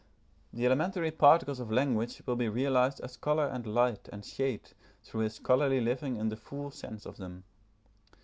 The elementary particles of language will be realised as colour and light and shade through his scholarly living in the full sense of them.